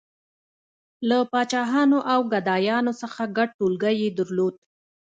• له پاچاهانو او ګدایانو څخه ګډ ټولګی یې درلود.